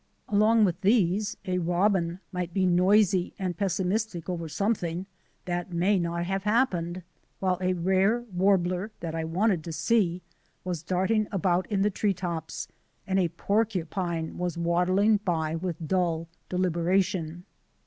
Along with these a robin might be noisy and pessimistic over something that may not have happened, while a rare warbler that I wanted 34 THE ADVENTURES OF A NATURE GUIDE to see was darting about in the tree tops, and a porcupine was waddling by with dull deliberation.